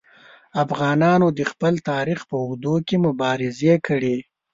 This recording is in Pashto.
افغانانو د خپل تاریخ په اوږدو کې مبارزې کړي.